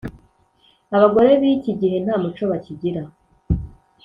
abagore bikigihe nta muco bakigira